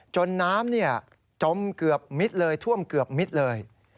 น้ำจมเกือบมิดเลยท่วมเกือบมิดเลย